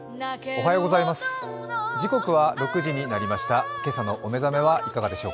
おはようございます。